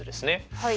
はい。